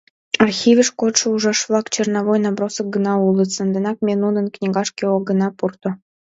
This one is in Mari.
Архивеш кодшо ужаш-влак черновой набросок гына улыт, санденак ме нуным книгашке огына пурто.